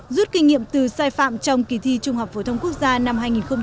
rút kinh nghiệm từ sai phạm trong kỳ thi trung học phổ thông quốc gia năm hai nghìn một mươi tám